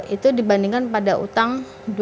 itu dibandingkan pada utang dua ribu dua puluh